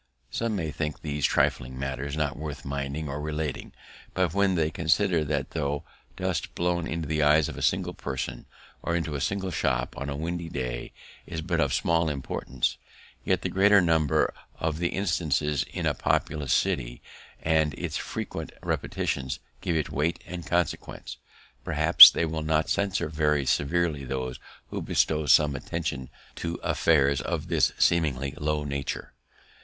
Some may think these trifling matters not worth minding or relating; but when they consider that tho' dust blown into the eyes of a single person, or into a single shop on a windy day, is but of small importance, yet the great number of the instances in a populous city, and its frequent repetitions give it weight and consequence, perhaps they will not censure very severely those who bestow some attention to affairs of this seemingly low nature.